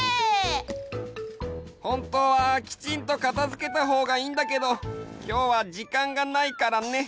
ほんとうはきちんと片付けたほうがいいんだけどきょうはじかんがないからね。